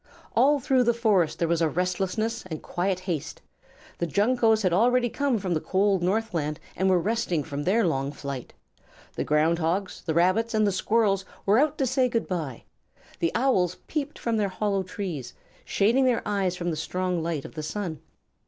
All through the forest there was restlessness and quiet haste. The Juncoes had already come from the cold northland and were resting from their long flight. The Ground Hogs, the Rabbits, and the Squirrels were out to say good by. The Owls peeped from their hollow trees, shading their eyes from the strong light of the sun.